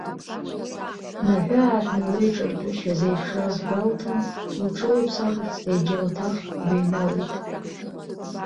Днаҳәы-ааҳәны леиҿартәышьа зеиԥшраз гәалҭан, лҽылԥсахырц егьи ауаҭах дныҩналеит.